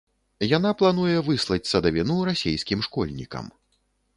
Яна плануе выслаць садавіну расейскім школьнікам.